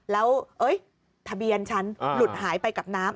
แล้วทะเบียนฉันหลุดหายไปกับน้ำ